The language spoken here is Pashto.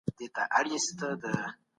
په ښه روزنه کې حقیقت نه پټول کېږي.